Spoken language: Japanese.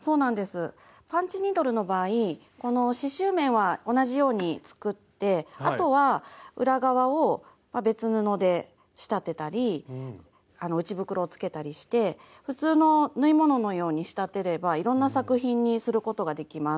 パンチニードルの場合この刺しゅう面は同じように作ってあとは裏側を別布で仕立てたり内袋をつけたりして普通の縫い物のように仕立てればいろんな作品にすることができます。